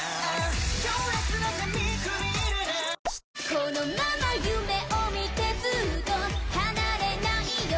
「このまま夢を見てずっと離れないよう」